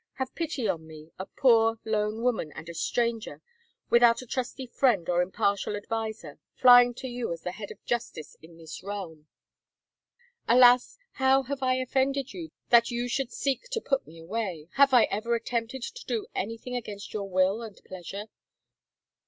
Have pity on me, a poor, lone woman and a stranger, without a trusty friend or impartial ad viser, flying to you as the head of justice in this realm. Alas, how have I offended you, that you should seek to put me away? Have I ever attempted to do anything against your will and pleasure?